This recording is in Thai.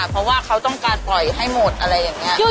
เพราะว่าเขาต้องการปล่อยให้หมดอะไรอย่างนี้